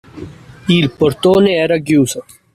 Il portone era chiuso.